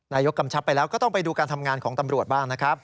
กำชับไปแล้วก็ต้องไปดูการทำงานของตำรวจบ้างนะครับ